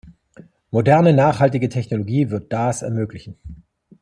Moderne, nachhaltige Technologie wird das ermöglichen.